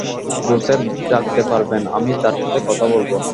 Joseph ডাকতে পারবেন, আমি তার সাথে কথা বলব।